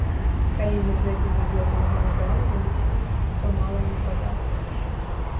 Калі мы гэтымі допінгамі балаваліся, то мала не падасца.